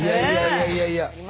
いやいやいやいや！